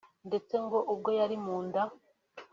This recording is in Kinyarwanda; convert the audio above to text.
ndetse ngo ubwo yari mu nda